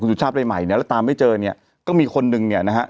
สุชาติได้ใหม่เนี่ยแล้วตามไม่เจอเนี่ยก็มีคนนึงเนี่ยนะฮะ